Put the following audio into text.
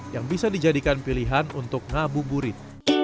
yang bisa dijadikan pilihan untuk ngabuburit